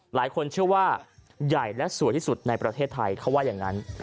หลายคนเชื่อว่าใหญ่และสวยที่สุดในประเทศไทยเขาว่าอย่างนั้น